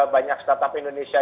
banyak startup indonesia